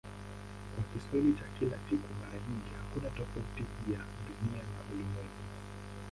Kwa Kiswahili cha kila siku mara nyingi hakuna tofauti kati ya "Dunia" na "ulimwengu".